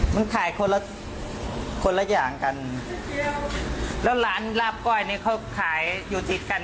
มันขายคนละคนละอย่างกันแล้วร้านลาบก้อยนี่เขาขายอยู่ติดกัน